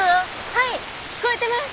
はい聞こえてます！